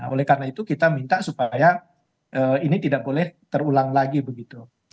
oleh karena itu kita minta supaya ini tidak boleh terulang lagi begitu